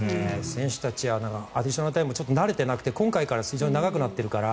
選手たちはアディショナルタイム慣れていなくて今回から非常に長くなってるから。